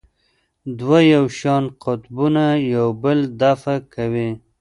دوه یو شان قطبونه یو بل دفع کوي.